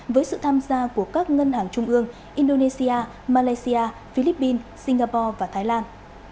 với sự tham gia của các ngân hàng trung ương indonesia malaysia philippines singapore và thái lan